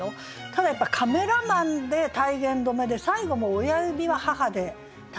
ただやっぱ「カメラマン」で体言止めで最後も「親指は母」で体言止めになってて。